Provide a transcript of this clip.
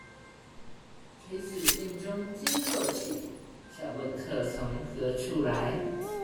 垂死病中驚坐起，笑問客從何處來